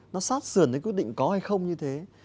nó sát sườn cái quyết định có hay không như thế